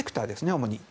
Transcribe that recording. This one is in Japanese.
主に。